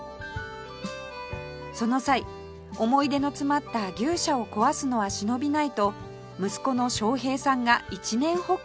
その際思い出の詰まった牛舎を壊すのは忍びないと息子の将平さんが一念発起